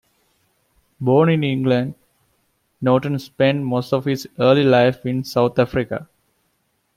Born in England, Norton spent most of his early life in South Africa.